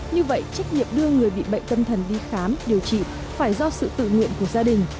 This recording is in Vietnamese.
như vậy trách nhiệm đưa người bị bệnh tâm thần đi khám điều trị phải do sự tự nguyện của gia đình